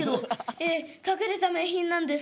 「ええ隠れた名品なんです。